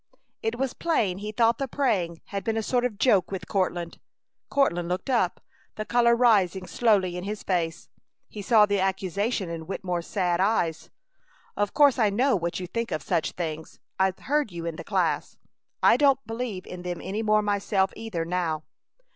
It was plain he thought the praying had been a sort of joke with Courtland. Courtland looked up, the color rising slowly in his face. He saw the accusation in Wittemore's sad eyes. "Of course I know what you think of such things. I've heard you in the class. I don't believe in them any more myself, either, now."